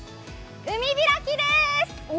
海開きです。